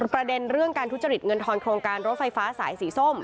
ประเด็นเรื่องการทุจริตเงินทอนโครงการรถไฟฟ้าสายสีส้ม